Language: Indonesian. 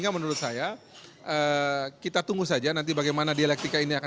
dan sudah semestinya